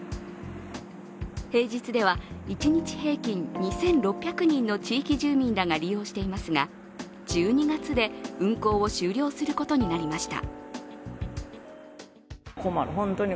平日では一日平均２６００人の地域住民らが利用していますが、１２月で運行を終了することになりました。